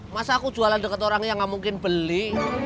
masa aku jualan deket orang yang nggak mungkin beli